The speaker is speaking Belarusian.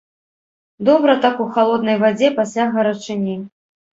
Добра так у халоднай вадзе пасля гарачыні.